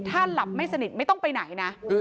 ถ้าหลับไม่สนิทไม่ต้องไปไหนนะ